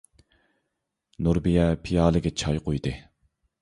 نۇربىيە پىيالىگە چاي قۇيدى.